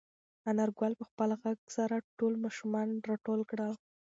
انارګل په خپل غږ سره ټول ماشومان راټول کړل.